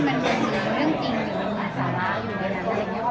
มันมีเรื่องจริงหรือมีสาระอยู่ในนั้นอะไรแบบนี้